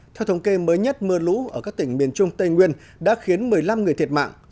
theo thống kê mới nhất mưa lũ ở các tỉnh miền trung tây nguyên đã khiến một mươi năm người thiệt mạng